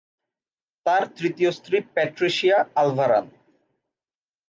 তার তৃতীয় স্ত্রী প্যাট্রিসিয়া আলভারান।